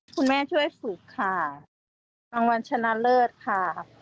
คุณแม่ช่วยฝุกค่ะรางวัลชนะเลิศค่ะ